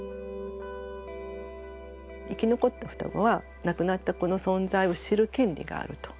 生き残った双子は亡くなった子の存在を知る権利があると。